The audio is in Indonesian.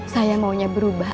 saya maunya berubah